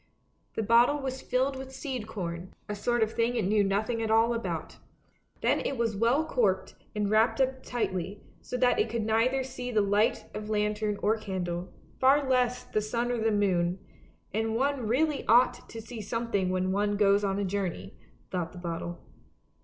The bottle was filled with seed corn, a sort of thing it knew nothing at all about. Then it was well corked and wrapped up tightly, so that it could neither see the light of lantern or candle, far less the sun or the moon — and one really ought to see some thing when one goes on a journey, thought the bottle.